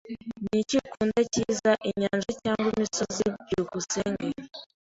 Niki ukunda cyiza, inyanja cyangwa imisozi? byukusenge